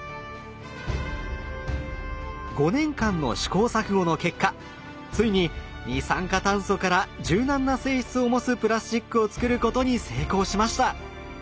５年間の試行錯誤の結果ついに二酸化炭素から柔軟な性質を持つプラスチックを作ることに成功しました！